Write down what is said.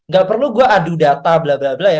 gak perlu gue adu data bla bla bla ya